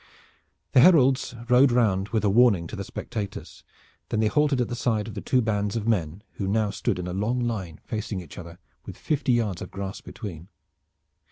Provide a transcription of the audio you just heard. The heralds rode round with a warning to the spectators. Then they halted at the side of the two bands of men who now stood in a long line facing each other with fifty yards of grass between.